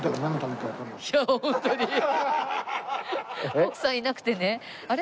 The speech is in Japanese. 徳さんいなくてねあれ？